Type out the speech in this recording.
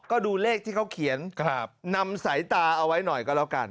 ก็ดูเลขที่เขาเขียนนำสายตาเอาไว้หน่อยก็แล้วกัน